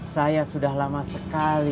saya sudah lama sekali